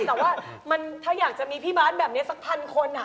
แต่ว่าถ้าอยากจะมีพี่บาทแบบนี้สักพันคน